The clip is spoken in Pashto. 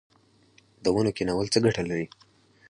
د ونو کینول څه ګټه لري؟